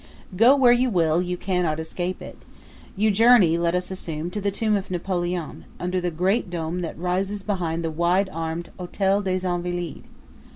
Go where you will, you cannot escape it. You journey, let us assume, to the Tomb of Napoleon, under the great dome that rises behind the wide armed Hotel des Invalides.